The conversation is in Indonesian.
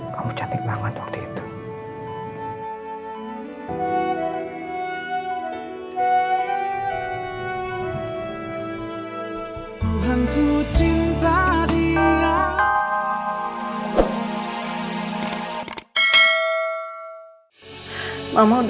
kamu cantik banget waktu itu